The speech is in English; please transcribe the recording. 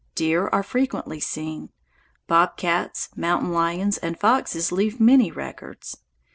Deer are frequently seen. Bobcats, mountain lions, and foxes leave many records.